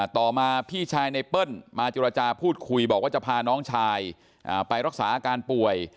ต่อมาพี่ชายไนเปิ้ลมาเจรจาพูดคุยบอกว่าจะพาน้องชายไปรักษาอาการป่วย